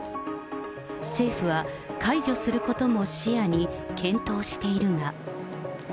政府は、解除することも視野に検討しているが。